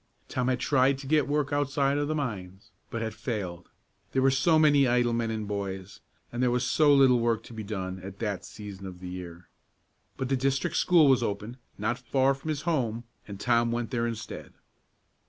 Tom had tried to get work outside of the mines, but had failed; there were so many idle men and boys, and there was so little work to be done at that season of the year. But the district school was open, not far from his home, and Tom went there instead.